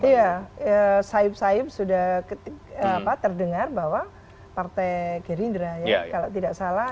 ya sayap sayap sudah terdengar bahwa partai gerindra ya kalau tidak salah